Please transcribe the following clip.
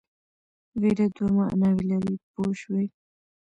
وېره دوه معناوې لري پوه شوې!.